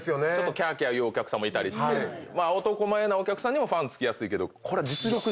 キャーキャー言うお客さんもいたりして男前なお客さんもファン付きやすいけどこれは。